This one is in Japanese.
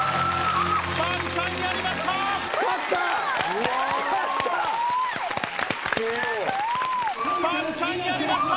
すごい！ぱんちゃんやりました！